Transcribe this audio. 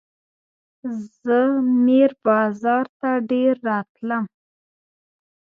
زه میر بازار ته ډېر راتلم.